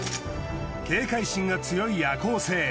警戒心が強い夜行性。